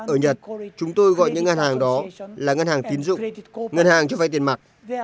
ở nhật chúng tôi gọi những ngân hàng đó là ngân hàng tín dụng ngân hàng cho vay tiền mặt